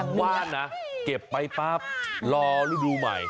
ผมว่านะเก็บไปปั๊บรอฤดูใหม่